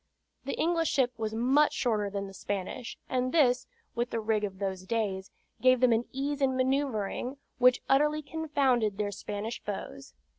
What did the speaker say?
The English ship was much shorter than the Spanish; and this (with the rig of those days) gave them an ease in manoeuvring, which utterly confounded their Spanish foes.